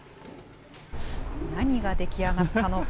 何が出来上がったのか。